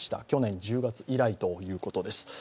去年１０月以来ということです。